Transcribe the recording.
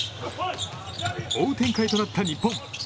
追う展開となった日本。